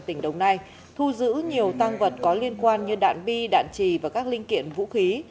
tỉnh đồng nai thu giữ nhiều tăng vật có liên quan như đạn bi đạn trì và các linh kiện vũ khí